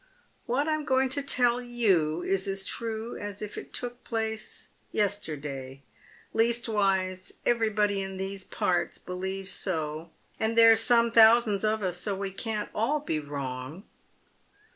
* "What I'm going to tell you is as true as if it took place yester day — leastways everybody in these parts believes so, and there's some thousands of us, so we can't all be wrong.